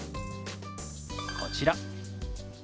こちら。